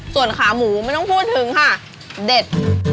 ส่วนขาหมูไม่ต้องพูดถึงค่ะเด็ด